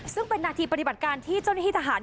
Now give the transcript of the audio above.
ซึ่งเป็นนาทีปฏิบัติการที่เจ้าหน้าที่ทหาร